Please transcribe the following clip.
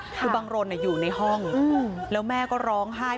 คือบังรนอยู่ในห้องแล้วแม่ก็ร้องไห้